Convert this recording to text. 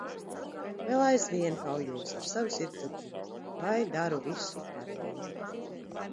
Vēl aizvien kaujos ar savu sirdsapziņu, vai daru visu pareizi.